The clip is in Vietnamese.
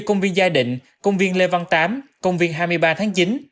công viên giai định công viên lê văn tám công viên hai mươi ba tháng chín